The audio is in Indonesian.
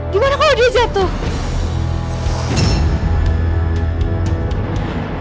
gimana kalau dia jatuh